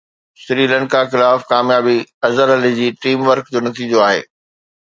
سريلنڪا خلاف ڪاميابي اظهر علي جي ٽيم ورڪ جو نتيجو آهي